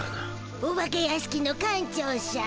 お化け屋敷の館長しゃん。